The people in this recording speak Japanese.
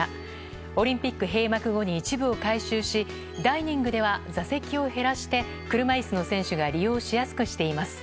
オリンピック閉幕後に一部を改修しダイニングでは座席を減らして車椅子の選手が利用しやすくしています。